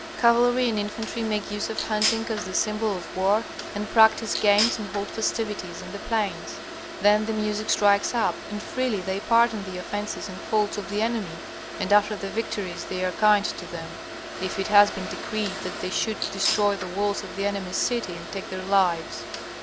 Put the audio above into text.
Cavalry and infantry make use of hunting as the symbol of war and practise games and hold festivities in the plains. Then the music strikes up, and freely they pardon the offences and faults of the enemy, and after the victories they are kind to them, if it has been decreed that they should destroy the walls of the enemy's city and take their lives.